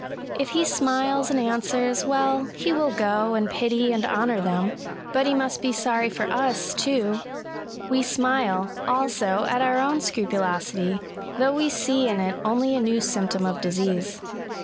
If he smiles and answers, well, he will go and pity and honour them — ^but he must be sorry for us, too — ^we smile, also, at our own scrupulosity, though we see in it only a new symptom of disease.